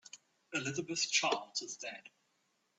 Elizabeth Charles is dead.